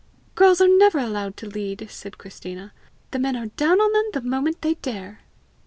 "Girls are never allowed to lead!" said Christina. "The men are down on them the moment they dare!"